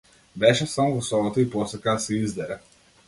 Беше сам во собата, и посака да се издере.